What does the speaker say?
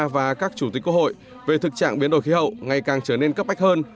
và các chủ tịch quốc hội về thực trạng biến đổi khí hậu ngày càng trở nên cấp bách hơn